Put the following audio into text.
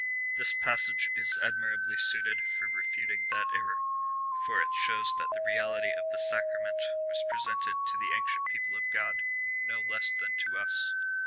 This passage is admirably suited for refuting that error, for it shows that the reality of the Sacrament was presented to the ancient people of God no less than to us.